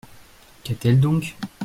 Qu'a-t-elle donc ?